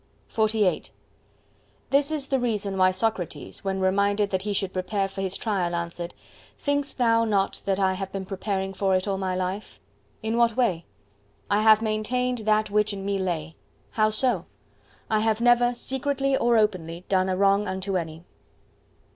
XLVIII This is the reason why Socrates, when reminded that he should prepare for his trial, answered: "Thinkest thou not that I have been preparing for it all my life?" "In what way?" "I have maintained that which in me lay!" "How so?" "I have never, secretly or openly, done a wrong unto any."